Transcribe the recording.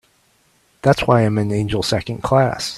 That's why I'm an angel Second Class.